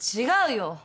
違うよ！